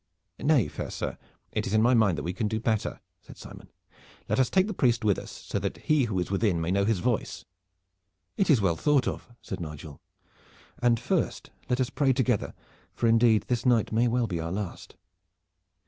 "Nay, fair sir, it is in my mind that we can do better," said Simon. "Let us take the priest with us, so that he who is within may know his voice." "It is well thought of," said Nigel, "and first let us pray together, for indeed this night may well be our last."